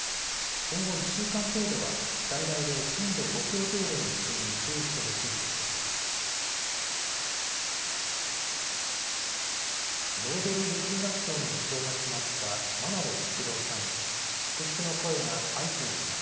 今後１週間程度は最大で震度５強程度の地震に注意してほしいとしています。